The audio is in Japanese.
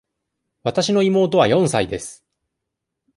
わたしの妹は四歳です。